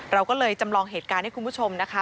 เราก็เลยจำลองเหตุการณ์ให้คุณผู้ชมนะคะ